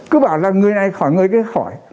cứ bảo là người này khỏi người cái khỏi